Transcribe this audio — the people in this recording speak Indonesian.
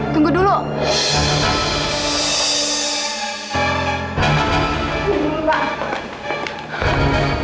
tunggu dulu pak